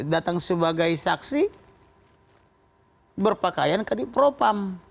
datang sebagai saksi berpakaian kadipropam